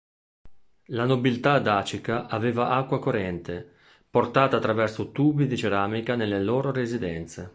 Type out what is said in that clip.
La nobiltà dacica aveva acqua corrente, portata attraverso tubi di ceramica nelle loro residenze.